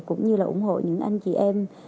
cũng như là ủng hộ những anh chị em